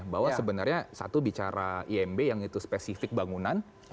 bahwa sebenarnya satu bicara imb yang itu spesifik bangunan